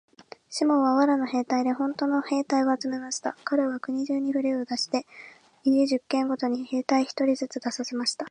シモンは藁の兵隊でほんとの兵隊を集めました。かれは国中にふれを出して、家十軒ごとに兵隊一人ずつ出させました。